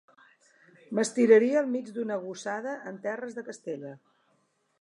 M'estiraria al mig d'una gossada en terres de Castella.